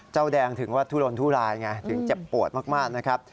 เจ้าแดงถึงว่าทุรนทุรายไงถึงเจ็บปวดมากนะครับ